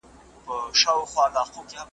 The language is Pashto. چي ازل یې قلم زما سره وهلی ,